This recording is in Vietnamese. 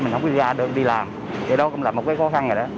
mình không có ra đường đi làm thì đó cũng là một cái khó khăn rồi đó